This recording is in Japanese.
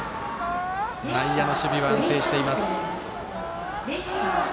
内野の守備は安定しています。